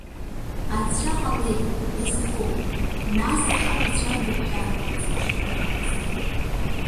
Аҵәҵәа ҟалеит, иазхоуп, нас ҳалацәажәап ҳәа цашьа лымамызт.